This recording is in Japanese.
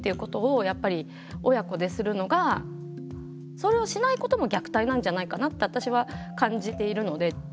それをしないことも虐待なんじゃないかなって私は感じているので。